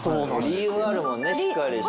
理由があるもんねしっかりした。